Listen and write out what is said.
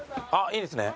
いいんですね。